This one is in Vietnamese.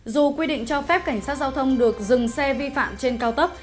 dù quy định cho phép cảnh sát giao thông được dừng xe vi phạm trên cao tốc